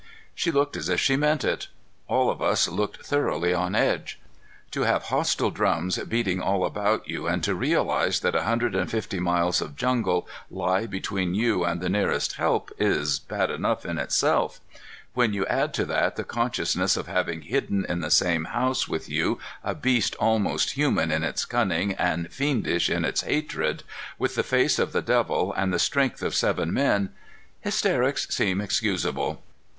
She looked as if she meant it. All of us looked thoroughly on edge. To have hostile drums beating all about you and to realize that a hundred and fifty miles of jungle lie between you and the nearest help is bad enough in itself. When you add to that the consciousness of having hidden in the same house with you a beast almost human in its cunning and fiendish in its hatred, with the face of the devil and the strength of seven men, hysterics seem excusable.